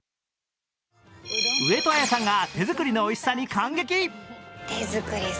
上戸彩さんが手作りのおいしさに感激。